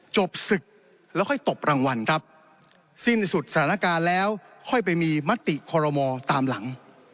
จบศึกแล้วค่อยตบรางวัลครับสิ้นสุดสถานการณ์แล้วค่อยไปมีมติคอรมอตามหลัง